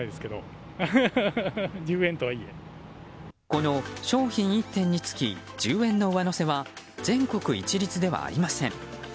この商品１点につき１０円の上乗せは全国一律ではありません。